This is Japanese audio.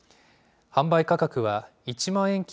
販売価格は一万円